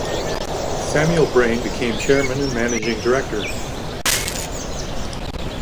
Samuel Brain became chairman and managing director.